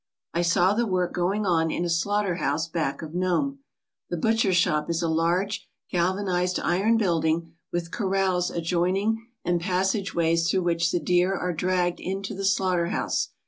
I saw the work going on in a slaughter house back of Nome. The butcher shop is a large galvanized iron building with corrals ad joining and passageways through which the deer are dragged into the slaughter house.